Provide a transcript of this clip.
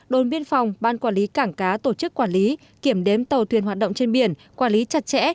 đồn biên phòng ban quản lý cảng cá tổ chức quản lý kiểm đếm tàu thuyền hoạt động trên biển quản lý chặt chẽ